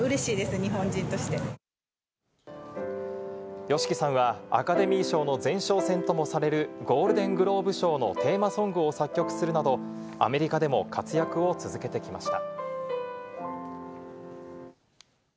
ＹＯＳＨＩＫＩさんはアカデミー賞の前哨戦ともされる、ゴールデングローブ賞のテーマソングを作曲するなど、アメリカでも活躍を続けてきました。